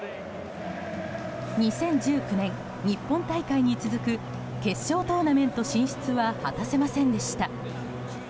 ２０１９年、日本大会に続く決勝トーナメント進出は果たせませんでした。